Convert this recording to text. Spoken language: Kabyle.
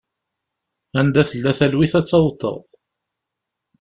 Anda tella talwit ad tt-awḍeɣ.